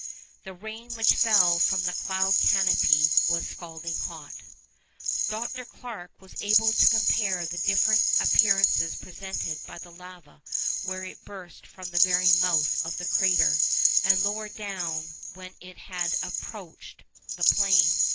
The rain which fell from the cloud canopy was scalding hot. Dr. Clarke was able to compare the different appearances presented by the lava where it burst from the very mouth of the crater, and lower down when it had approached the plain.